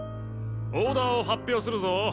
オーダーを発表するぞ。